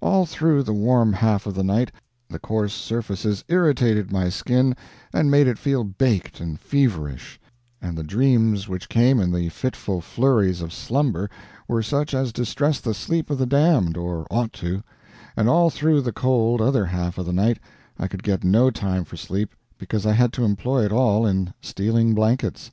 All through the warm half of the night the coarse surfaces irritated my skin and made it feel baked and feverish, and the dreams which came in the fitful flurries of slumber were such as distress the sleep of the damned, or ought to; and all through the cold other half of the night I could get no time for sleep because I had to employ it all in stealing blankets.